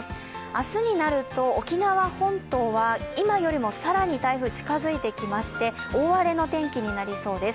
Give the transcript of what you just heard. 明日になると沖縄本島は今よりも更に台風、近づいてきまして大荒れの天気になりそうです。